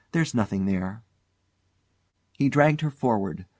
There's nothing there." He dragged her forward.